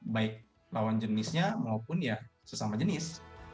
baik lawan jenisnya maupun ya sesama jenis